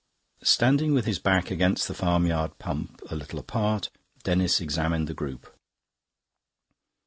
Standing with his back against the farmyard pump, a little apart, Denis examined the group.